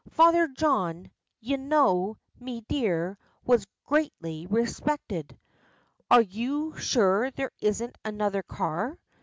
Father John, ye know, me dear, was greatly respected." "Are you sure there isn't another car?"